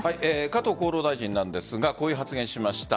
加藤厚労大臣なんですがこういう発言をしました。